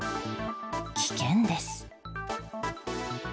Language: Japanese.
危険です。